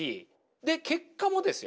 で結果もですよ